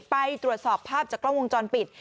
ไปตรวจสอบภาพจากกล้องวงจรปิด